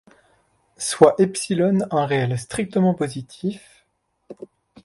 Soit ε un réel strictement positif.